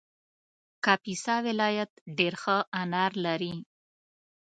کاپیسا ولایت ډېر ښه انار لري